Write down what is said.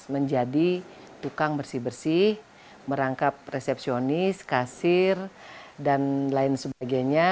menjadi tukang bersih bersih merangkap resepsionis kasir dan lain sebagainya